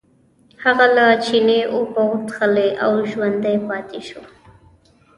هغه له چینې اوبه وڅښلې او ژوندی پاتې شو.